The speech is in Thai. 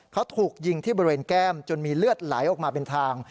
เขาถูกยิงที่บริเวณแก้มจนมีเลือดไหลออกมาเป็นทาง